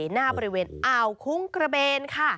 หน้าบริเวณอ่าวคุ้งกระเบนค่ะ